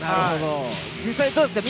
実際どうですか？